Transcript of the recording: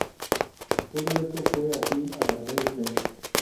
Todo esto fue así hasta los años treinta.